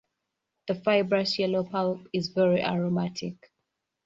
The fibrous yellow pulp is very aromatic.